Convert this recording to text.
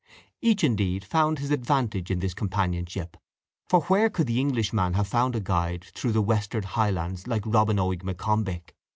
Each, indeed, found his advantage in this companionship; for where could the Englishman have found a guide through the Western Highlands like Robin Oig M'Combich?